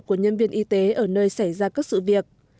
của nhân viên y tế ở nơi xảy ra các sự việc